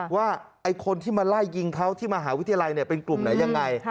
ว่าคนที่มาไล่ยิงเขาที่มหาวิทยาลัยเป็นกลุ่มไหนยังไง